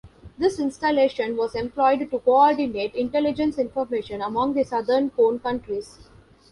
This installation was "employed to co-ordinate intelligence information among the southern cone countries".